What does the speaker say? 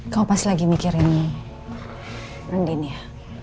kamu pasti lagi mikirin andin ya